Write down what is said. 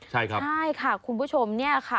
ใช่ค่ะคุณผู้ชมนี่ค่ะ